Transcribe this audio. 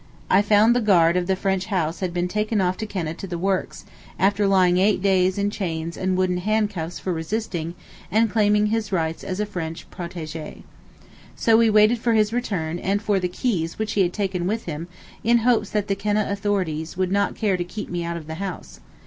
I found the guard of the French house had been taken off to Keneh to the works, after lying eight days in chains and wooden handcuffs for resisting, and claiming his rights as a French protégé. So we waited for his return, and for the keys which he had taken with him, in hopes that the Keneh authorities would not care to keep me out of the house.